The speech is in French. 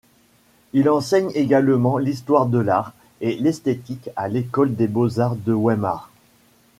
Il enseigne également l'histoire de l'art et l'esthétique à l'École des beaux-arts de Weimar.